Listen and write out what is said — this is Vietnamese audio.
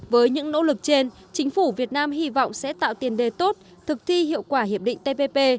với những nỗ lực trên chính phủ việt nam hy vọng sẽ tạo tiền đề tốt thực thi hiệu quả hiệp định tpp